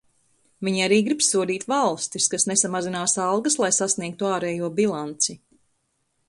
Viņi arī grib sodīt valstis, kas nesamazinās algas, lai sasniegtu ārējo bilanci.